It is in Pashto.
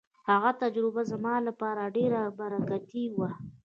هغه تجربه زما لپاره ډېره برکتي وه.